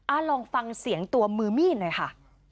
ลองฟังเสียงตัวมือมีดหน่อยค่ะ